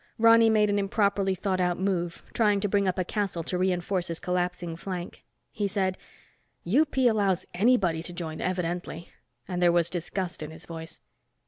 Ronny made an improperly thought out move, trying to bring up a castle to reinforce his collapsing flank. He said, "UP allows anybody to join evidently," and there was disgust in his voice.